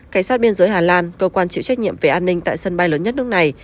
cảnh sát biên giới hà lan cơ quan chịu trách nhiệm về an ninh tại sân bay lớn nhất nước này